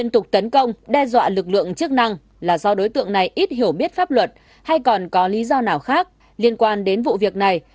tục tấn công đe dọa lực lượng chức năng là do đối tượng này ít hiểu biết pháp luật hay còn có lý do nào khác liên quan đến vụ việc này